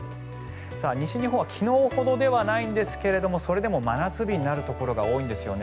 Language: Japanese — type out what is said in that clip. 西日本は昨日ほどではないんですがそれでも真夏日になるところが多いんですよね。